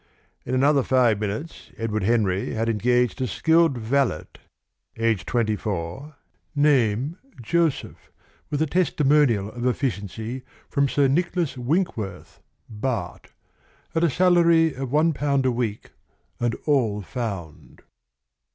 In another five minutes Edward Henry had engaged a skilled valet, aged twenty four, name Joseph, with a testimonial of efficiency from Sir Nicholas Winkworth, Bart., at a salary of a pound a week and all found.